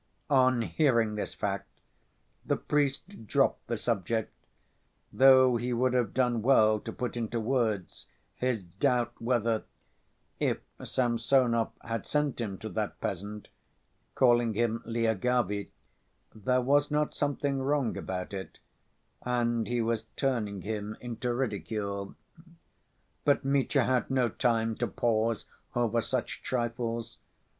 On hearing this fact, the priest dropped the subject, though he would have done well to put into words his doubt whether, if Samsonov had sent him to that peasant, calling him Lyagavy, there was not something wrong about it and he was turning him into ridicule. But Mitya had no time to pause over such trifles.